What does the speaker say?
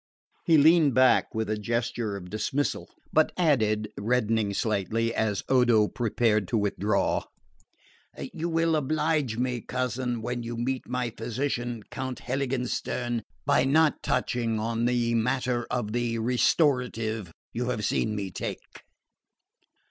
He leaned back with a gesture of dismissal; but added, reddening slightly, as Odo prepared to withdraw: "You will oblige me, cousin, when you meet my physician, Count Heiligenstern, by not touching on the matter of the restorative you have seen me take."